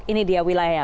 ini dia wilayahnya